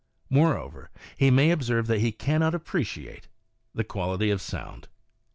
More over, he may observe that he cannot appreciate the quality of sound.